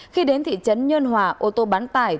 khi đến thị trấn nhân hòa ô tô bán tải